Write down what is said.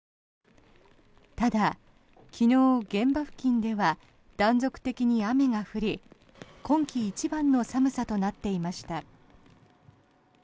ただ、昨日、現場付近では断続的に雨が降り今季一番の寒さとなっていました。